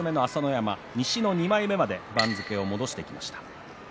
山西の２枚目まで番付を戻しました。